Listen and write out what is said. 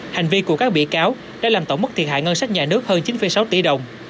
hành vi của các bị cáo đã làm tổng mức thiệt hại ngân sách nhà nước hơn chín sáu tỷ đồng